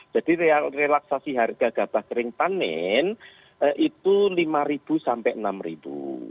jadi relaksasi harga gabah kering panen itu rp lima sampai rp enam